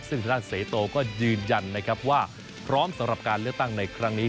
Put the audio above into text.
ซึ่งทางเศษโตก็ยืนยันว่าพร้อมสำหรับการเลือกตั้งในครั้งนี้